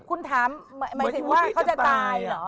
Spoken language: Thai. คุณถามหมายถึงว่าเขาจะตายเหรอ